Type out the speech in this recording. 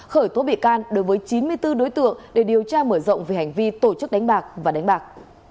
khởi tố bị can đối với chín mươi bốn đối tượng để điều tra mở rộng về hành vi tổ chức đánh bạc và đánh bạc